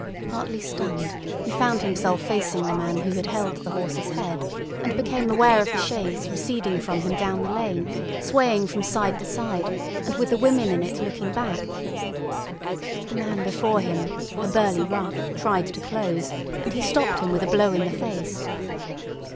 Partly stunned, he found himself facing the man who had held the horse's head, and became aware of the chaise receding from him down the lane, swaying from side to side, and with the women in it looking back. The man before him, a burly rough, tried to close, and he stopped him with a blow in the face.